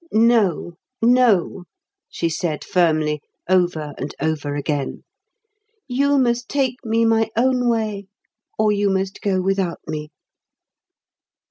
"No, no," she said firmly, over and over again. "You must take me my own way, or you must go without me."